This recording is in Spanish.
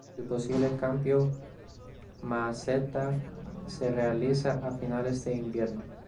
El posible cambio de maceta se realiza a finales del invierno.